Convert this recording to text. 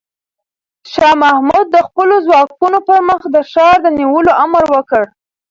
شاه محمود د خپلو ځواکونو پر مخ د ښار د نیولو امر وکړ.